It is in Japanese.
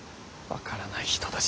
分からない人たちだな。